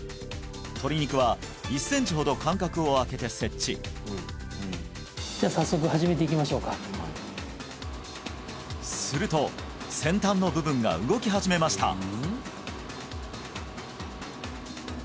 鶏肉は１センチほど間隔をあけて設置じゃあ早速始めていきましょうかすると先端の部分が動き始めました